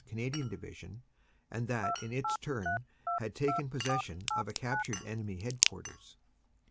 Canadian Division, and that in its turn had taken possession of a captured enemy headquarters.